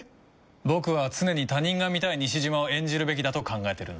僕は常に他人が見たい西島を演じるべきだと考えてるんだ。